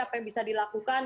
apa yang bisa dilakukan